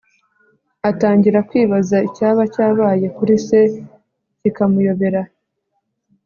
atangira kwibaza icyaba cyabaye kuri se kikamuyobera